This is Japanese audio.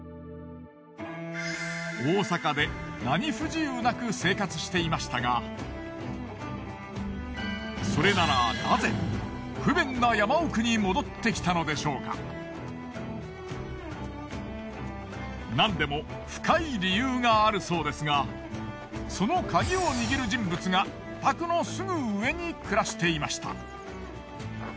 大阪で何不自由なく生活していましたがそれならなんでも深い理由があるそうですがその鍵を握る人物がお宅のすぐ上に暮らしていました。